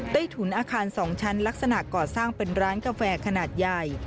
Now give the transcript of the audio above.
ถุนอาคาร๒ชั้นลักษณะก่อสร้างเป็นร้านกาแฟขนาดใหญ่